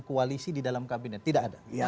koalisi di dalam kabinet tidak ada